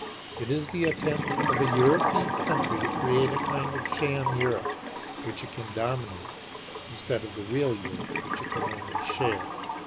It is the attempt of a European country to create a kind of sham Europe which it can dominate, instead of the real Europe, which it can only share.